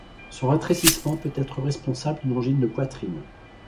Son rétrécissement peut être responsable d'une angine de poitrine.